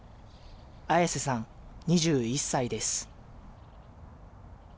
絢瀬さん２１歳です。